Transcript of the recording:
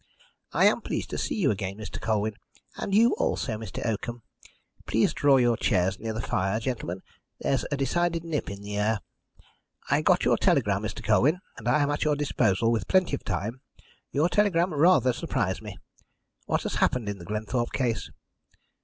"I am pleased to see you again, Mr. Colwyn, and you also, Mr. Oakham. Please draw your chairs near the fire gentlemen there's a decided nip in the air. I got your telegram, Mr. Colwyn, and I am at your disposal, with plenty of time. Your telegram rather surprised me. What has happened in the Glenthorpe case?"